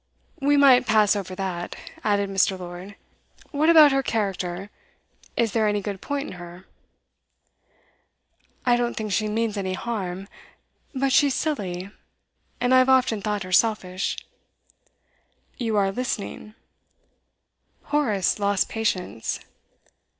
'We might pass over that,' added Mr. Lord. 'What about her character? Is there any good point in her?' 'I don't think she means any harm. But she's silly, and I've often thought her selfish.' 'You are listening?' Horace lost patience.